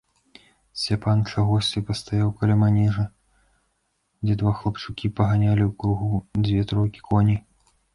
Сцяпан чагосьці пастаяў каля манежа, дзе два хлапчукі паганялі ў кругу дзве тройкі коней.